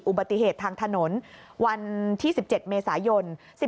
อุบัติเหตุทางถนนวันที่๑๗เมษายน